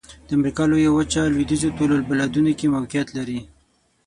د امریکا لویه وچه لویدیځو طول البلدونو کې موقعیت لري.